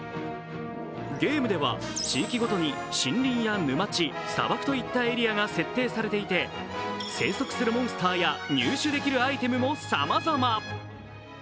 ゲームでは地域ごとに森林や沼地、砂漠といったエリアが設定されていて、生息するモンスターや入手できるアイテムもさまざま。